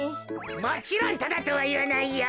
もちろんタダとはいわないよ。